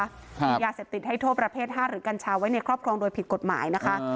มียาเสพติดให้โทษประเภท๕หรือกัญชาไว้ในครอบครองโดยผิดกฎหมายนะคะ